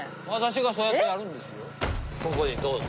ここへどうぞ。